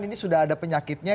ini sudah ada penyakitnya